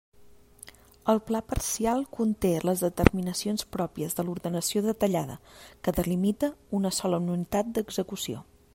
El pla parcial conté les determinacions pròpies de l'ordenació detallada, que delimita una sola unitat d'execució.